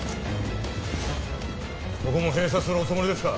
ここも閉鎖するおつもりですか？